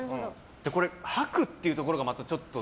白っていうところがまたちょっとね。